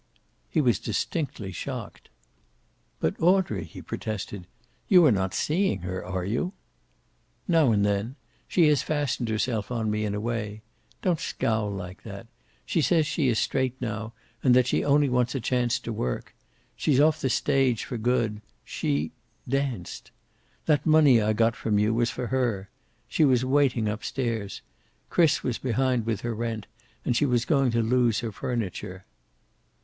He was distinctly shocked. "But, Audrey," he protested, "you are not seeing her, are you?" "Now and then. She has fastened herself on me, in a way. Don't scowl like that. She says she is straight now and that she only wants a chance to work. She's off the stage for good. She danced. That money I got from you was for her. She was waiting, up stairs. Chris was behind with her rent, and she was going to lose her furniture."